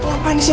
apaan di sini